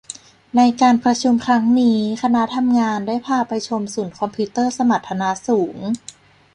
ในการประชุมครั้งนี้คณะทำงานได้พาไปชมศูนย์คอมพิวเตอร์สมรรถนะสูง